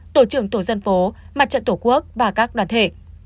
tổ trưởng tổ dân phố mặt trận tổ quốc và các đoàn thể